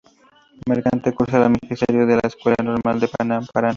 Mercante cursa el magisterio en la Escuela Normal de Paraná.